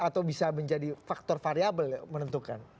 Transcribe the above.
atau bisa menjadi faktor variable menentukan